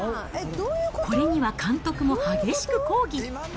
これには監督も激しく抗議。